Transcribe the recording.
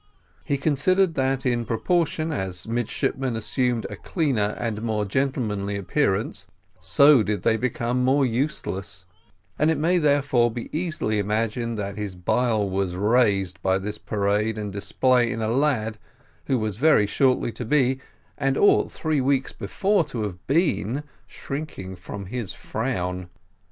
He considered that in proportion as midshipmen assumed a cleaner and more gentlemanly appearance, so did they become more useless, and it may therefore be easily imagined that his bile was raised by this parade and display in a lad, who was very shortly to be, and ought three weeks before to have been, shrinking from his frown.